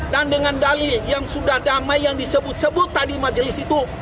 dan dengan dalil yang sudah damai yang disebut sebut tadi majelis itu